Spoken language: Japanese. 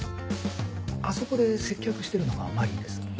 あそこで接客してるのが愛鈴です。